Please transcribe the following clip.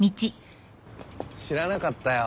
知らなかったよ